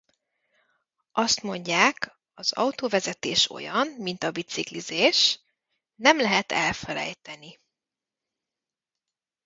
Azt mondják, az autóvezetés olyan, mint a biciklizés: nem lehet elfelejteni.